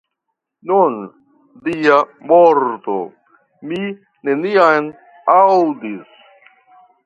Nun, dia morto, mi neniam aŭdis !